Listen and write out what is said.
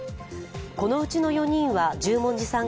このうちの４人は十文字さん